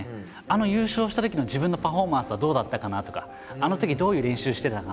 あの優勝したときの自分のパフォーマンスはどうだったかなとかあのときどういう練習してたかなって。